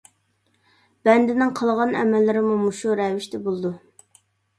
بەندىنىڭ قالغان ئەمەللىرىمۇ مۇشۇ رەۋىشتە بولىدۇ.